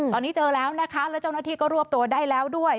ตอนนี้เจอแล้วนะคะแล้วเจ้าหน้าที่ก็รวบตัวได้แล้วด้วย